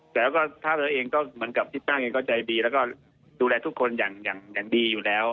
แต่ก็ถ้าเราเองก็เหมือนกับที่ตั้งเองก็ใจดีแล้วก็ดูแลทุกคนอย่างดีอยู่แล้ว